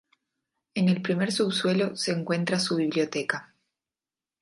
En el primer subsuelo se encuentra su biblioteca.